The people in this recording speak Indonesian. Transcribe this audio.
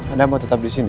anda mau tetap di sini